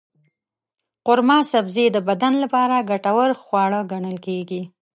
قورمه سبزي د بدن لپاره ګټور خواړه ګڼل کېږي.